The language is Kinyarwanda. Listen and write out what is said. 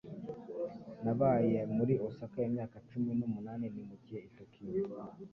Nabaye muri Osaka imyaka cumi n'umunani nimukiye i Tokiyo